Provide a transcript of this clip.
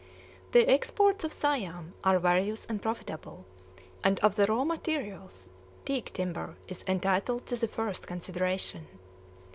The exports of Siam are various and profitable; and of the raw materials, teak timber is entitled to the first consideration.